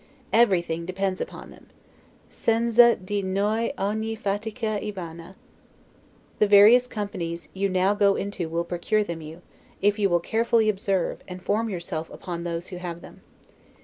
Everything depends upon them; 'senza di noi ogni fatica e vana'. The various companies you now go into will procure them you, if you will carefully observe, and form yourself upon those who have them.